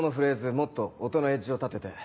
もっと音のエッジを立てて。